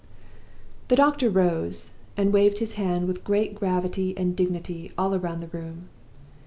"The doctor rose, and waved his hand with great gravity and dignity all round the room.